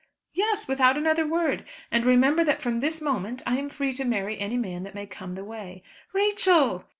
"Yes, without another word. And remember that from this moment I am free to marry any man that may come the way." "Rachel!"